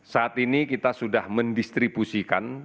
saat ini kita sudah mendistribusikan